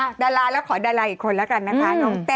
อ่าดาราแล้วขอดาราอีกคนละกันนะคะ